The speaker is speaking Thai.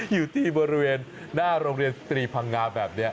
อยู่ที่บริเวณหน้าโรงเรียนสตรีพังงาแบบนี้